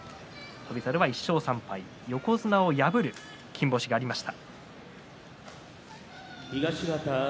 翔猿は１勝３敗横綱を破る金星がありました。